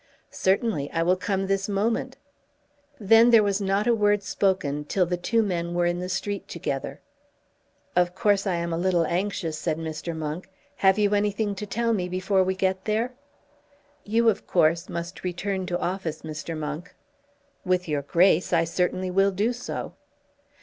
"Certainly. I will come this moment." Then there was not a word spoken till the two men were in the street together. "Of course I am a little anxious," said Mr. Monk. "Have you anything to tell me before we get there?" "You of course must return to office, Mr. Monk." "With your Grace I certainly will do so."